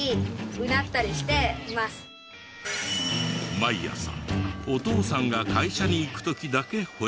毎朝お父さんが会社に行く時だけ吠えるそうだ。